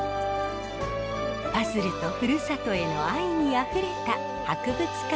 パズルとふるさとへの愛にあふれた博物館でした。